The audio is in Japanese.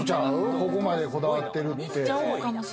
ここまで、こだわってるって。